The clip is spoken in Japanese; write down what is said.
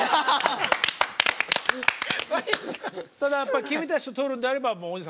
ただやっぱり君たちと撮るんであればもう大泉さん負けたくない。